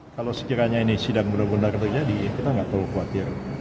kalau sekiranya ini sidang benar benar terjadi kita nggak terlalu khawatir